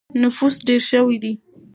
نفوس ډېر شوی دی.